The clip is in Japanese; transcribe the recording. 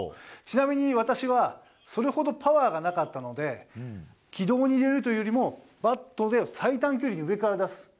ちなみに私はそれほどパワーがなかったので軌道に入れるよりもバットを最短距離で上から出す。